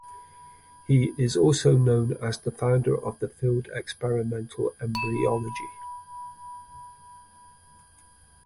He is also known as the founder of the field experimental embryology.